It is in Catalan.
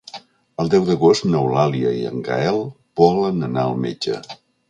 El deu d'agost n'Eulàlia i en Gaël volen anar al metge.